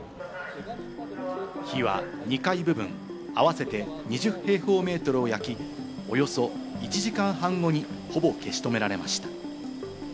火は２階部分、合わせて２０平方メートルを焼き、およそ１時間半後にほぼ消し止められました。